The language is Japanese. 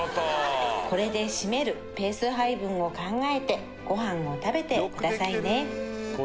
これで締めるペース配分を考えてごはんを食べてくださいね